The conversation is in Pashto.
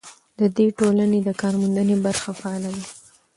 د دې ټولنې د کارموندنې برخه فعاله ده.